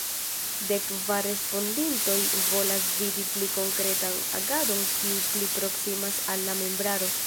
Dek kvar respondintoj volas vidi pli konkretan agadon kiu pli proksimas al la membraro.